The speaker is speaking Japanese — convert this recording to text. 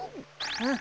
うん？